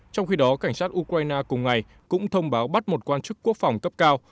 trong khi đó cảnh sát ukraine cùng ngày cũng thông báo bắt một quan chức quốc phòng cấp cao